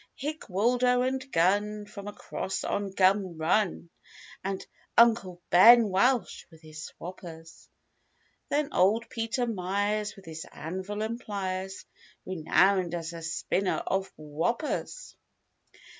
135 Hick Waldo and gun, from across on Gum Run; And "Uncle Ben" Welch, with his "swappers;" Then Old Peter Myers, with his anvil and pliers Renowned as a spinner of "whoppers."